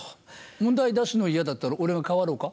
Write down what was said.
問題出すの嫌だったら俺が代わろうか？